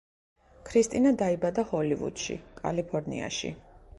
ქრისტინა დაიბადა ჰოლივუდში, კალიფორნიაში.